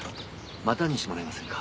またにしてもらえませんか？